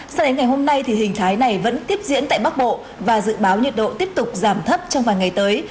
sao đến ngày hôm nay thì hình thái này vẫn tiếp diễn tại bắc bộ và dự báo nhiệt độ tiếp tục giảm thấp trong vài ngày tới